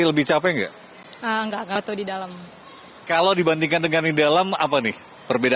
selamat siang dengan mbak tere